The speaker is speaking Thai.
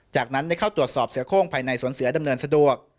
จากนั้นได้เข้าตรวจสอบเสือโค้งภายในสวนเสือดำเนินสะดวก